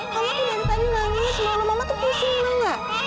kamu tuh dari tadi nangis malah mama tuh pusingin aja